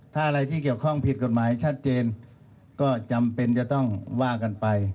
ถ้าอะไรที่เกี่ยวข้องผิดกฎหมายชัดเจนก็จำเป็นจะต้องว่ากันไป